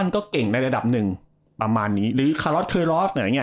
ก็เก่งในระดับหนึ่งประมาณนี้หรือเนี้ย